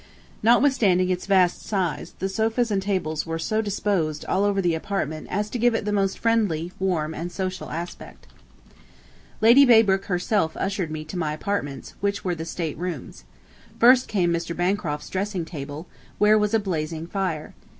Notwithstanding its vast size, the sofas and tables were so disposed all over the apartment as to give it the most friendly, warm, and social aspect. Lady Braybrooke herself ushered me to my apartments, which were the state rooms. First came Mr. Bancroft's dressing room, where was a blazing fire.